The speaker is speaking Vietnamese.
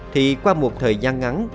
thì qua một thời gian ngắn